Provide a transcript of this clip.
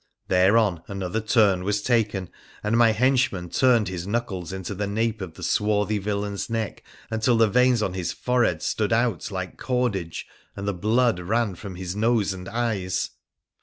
Thereon another turn was taken, and my henchman turned his knuckles into the nape of the swarthy villain's neck, until the veins on his forehead stood out like cordage and the blood ran from his nose and eyes.